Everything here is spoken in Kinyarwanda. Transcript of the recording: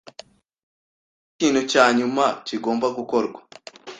Hariho ikintu cya nyuma kigomba gukorwa.